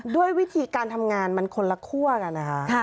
ด้วยวิธีการทำงานมันคนละคั่วกันนะคะ